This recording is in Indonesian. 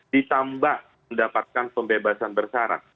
ditambah mendapatkan pembebasan bersyarat